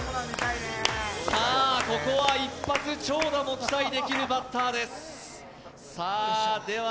ここは一発長打も期待できるバッターです。